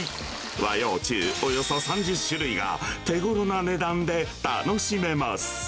和洋中、およそ３０種類が、手ごろな値段で楽しめます。